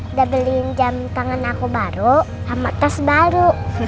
udah beliin jam tangan aku baru sama tas baru